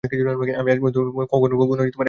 আমি আজ পর্যন্ত ওকে কখনও একা ছাড়িনি।